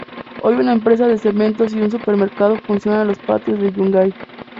Hoy una empresa de cementos y un supermercado funciona en los patios de Yungay.